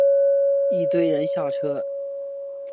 一堆人下车